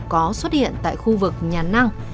có xuất hiện tại khu vực nhà năng